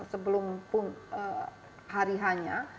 sebelum pun hari hanya